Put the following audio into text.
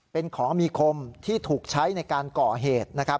เป็นขอมีคมที่ถูกใช้ในการก่อเหตุ